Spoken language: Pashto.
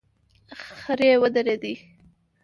خرې ودرېدې.